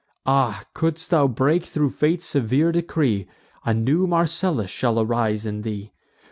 Ah! couldst thou break thro' fate's severe decree, A new Marcellus shall arise in thee!